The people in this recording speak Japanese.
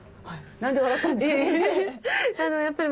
何で笑ったんですか？